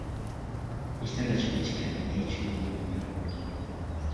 Ekitanda kino kikadde naye kigumu nnyo.